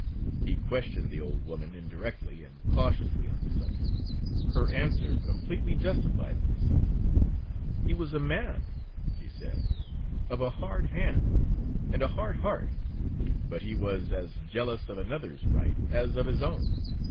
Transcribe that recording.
He questioned the old woman indirectly and cautiously on the subject,—her answer completely justified the deceased. 'He was a man,' she said, 'of a hard hand, and a hard heart, but he was as jealous of another's right as of his own.